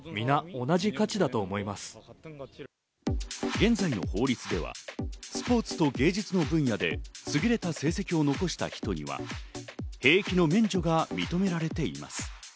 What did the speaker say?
現在の法律ではスポーツと芸術の分野で優れた成績を残した人には兵役の免除が認められています。